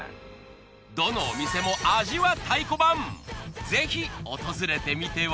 どのお店も味は太鼓判！